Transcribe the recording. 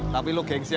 tapi lu gengsi aja